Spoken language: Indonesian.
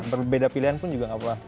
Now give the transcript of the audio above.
berbeda pilihan pun juga nggak apa apa